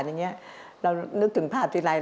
แล้วนึกถึงภาพครั้งในเท่าไหร่